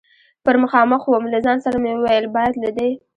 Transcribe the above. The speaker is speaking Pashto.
پر مخامخ ووم، له ځان سره مې وویل: باید له دې.